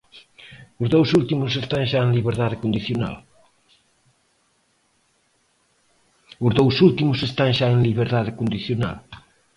Os dous últimos están xa en liberdade condicional.